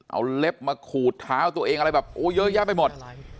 เอาเล็บมาขูดเท้าตัวเองอะไรแบบโอ้เยอะแยะไปหมด